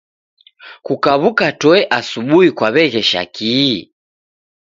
Kukaw'uka toe asubuhi kwaghesha kii?